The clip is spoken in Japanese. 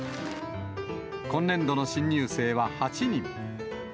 今年度の新入生は８人。